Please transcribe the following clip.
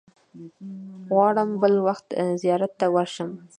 غواړم بل وخت زیارت ته ورشم.